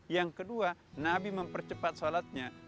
yang kedua nabi mempercepat sholatnya